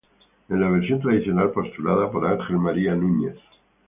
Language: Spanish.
En la versión tradicional postulada por Ángel María Núñez.